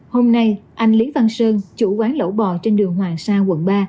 hôm nay anh lý văn sơn chủ quán lẩu bò trên đường hoàng sa quận ba